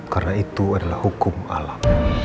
karena itu adalah hukum alam